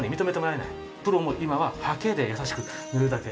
プロも今はハケで優しく塗るだけ。